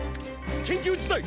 緊急事態！